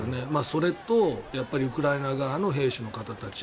それと、やっぱりウクライナ側の兵士の方たち